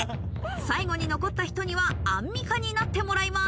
最後に残った人にはアンミカになってもらいます。